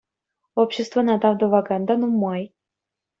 Обществӑна тав тӑвакан та нумай.